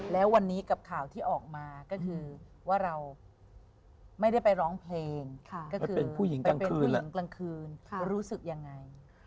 แล้ววันนี้กับข่าวที่ออกมาก็คือว่าเราไม่ได้ไปร้องเพลงก็คือไปเป็นผู้หญิงกลางคืนรู้สึกยังไง